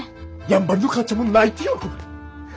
やんばるの母ちゃんも泣いて喜ぶ。